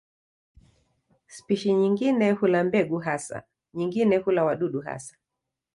Spishi nyingine hula mbegu hasa, nyingine hula wadudu hasa.